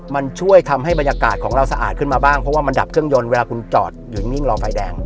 มันช่วยทำให้บรรยากาศของเราสะอาดขึ้นมาบ้างเพราะว่ามันดับเครื่องยนต์เวลาคุณจอดอยู่นิ่งรอไฟแดง